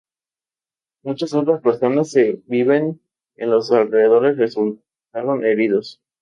Muchas otras personas que viven en los alrededores resultaron heridos.